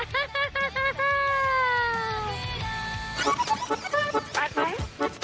แปดไหม